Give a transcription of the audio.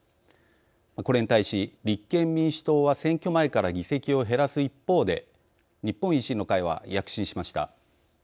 これに対し立憲民主党は選挙前から議席を減らす一方で日本維新の会は躍進しました。